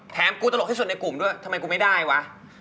กูตลกที่สุดในกลุ่มด้วยทำไมกูไม่ได้วะ